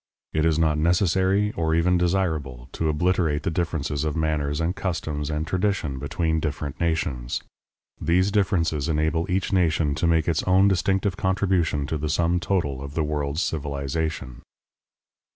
It is not necessary, or even desirable, to obliterate the differences of manners and custom and tradition between different nations. These differences enable each nation to make its own distinctive contribution to the sum total of the world's civilization.